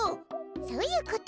そういうこと。